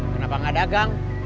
kenapa gak dagang